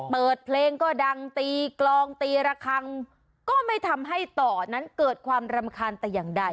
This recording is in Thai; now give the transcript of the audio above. เปิดเพลงก็ดังตีกลองตีระคังก็ไม่ทำให้ต่อนั้นเกิดความรำคาญแต่อย่างใด